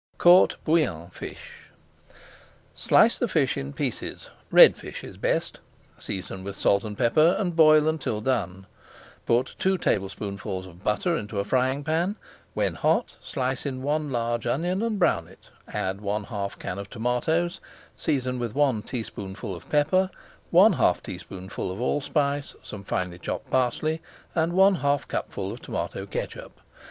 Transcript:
COURT BOUILLON FISH Slice the fish in pieces (red fish is best), season with salt and pepper, and boil until done. Put two tablespoonfuls of butter into a frying pan, when hot slice in one large onion and brown it, add one half can of tomatoes, season with one teaspoonful of pepper, one half teaspoonful of allspice, some finely chopped parsley, and one half cupful of tomato catsup.